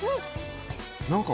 何か。